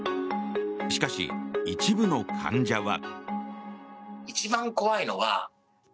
しかし、一部の患者は。